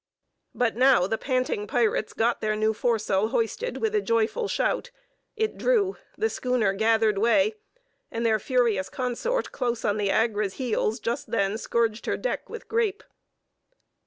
But now the panting pirates got their new foresail hoisted with a joyful shout: it drew, the schooner gathered way, and their furious consort close on the Agra's heels just then scourged her deck with grape.